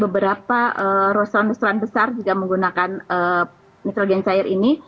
beberapa restoran restoran besar juga menggunakan nitrogen cair ini